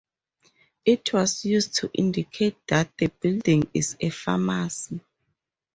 It was used to indicate that the building is a pharmacy.